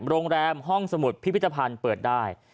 โรงแรมห้องสมุดพิพิธภัณฑ์เปิดได้